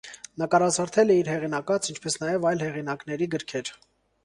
Նկարազարդել է իր հեղինակած, ինչպես նաև այլ հեղինակների գրքեր։